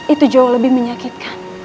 itu jauh lebih menyakitkan